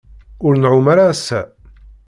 Ur nɛum ara ass-a.